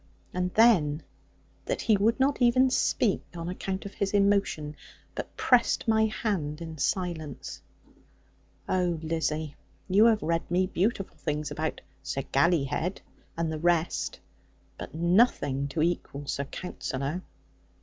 And then, that he would not even speak, on account of his emotion; but pressed my hand in silence! Oh, Lizzie, you have read me beautiful things about Sir Gallyhead, and the rest; but nothing to equal Sir Counsellor.'